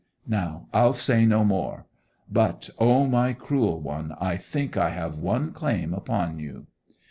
Now I'll say no more. But, O my cruel one, I think I have one claim upon you!